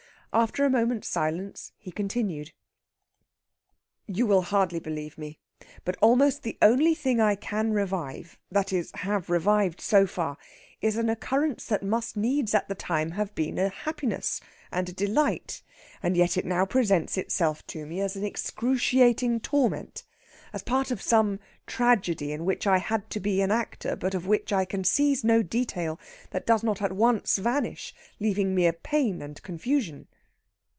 After a moment's silence he continued: "You will hardly believe me, but almost the only thing I can revive that is, have revived so far is an occurrence that must needs at the time have been a happiness and a delight. And yet it now presents itself to me as an excruciating torment as part of some tragedy in which I had to be an actor, but of which I can seize no detail that does not at once vanish, leaving mere pain and confusion."